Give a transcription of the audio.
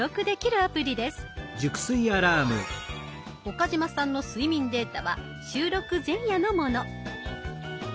岡嶋さんの睡眠データは収録前夜のもの。